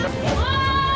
sampai terlibat adu fisik